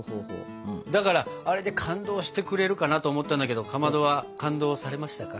だからあれで感動してくれるかなと思ったんだけどかまどは感動されましたか？